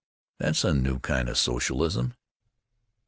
"That's a new kind of socialism."